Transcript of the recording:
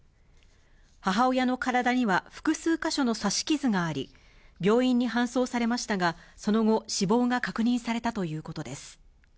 母親の体には複数箇所の刺し傷があり、病院に搬送されましたが、その後、死亡が確認されたということです。